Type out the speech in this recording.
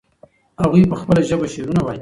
هغوی په خپله ژبه شعرونه وایي.